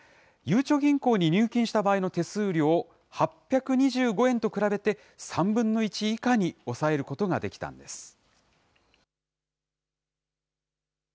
ゆうちょ銀行に入金した場合の手数料８２５円と比べて、３分の１以下に抑えることができたんです。